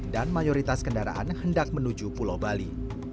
dan mayoritas kendaraan hendak menuju pulau bali